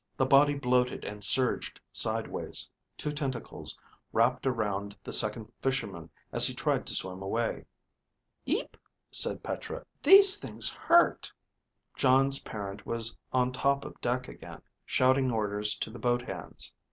The body bloated and surged sideways. Two tentacles wrapped around the Second Fisherman as he tried to swim away. (Eep, said Petra. These things hurt.) Jon's parent was on top of deck again, shouting orders to the boat hands.